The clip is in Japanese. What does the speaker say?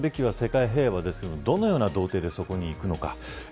目指すべきは世界平和ですがどのような道程でそこにいくのか。